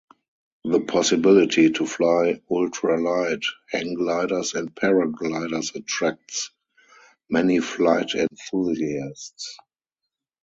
The possibility to fly ultralight, hang gliders and paragliders attracts many flight enthusiasts.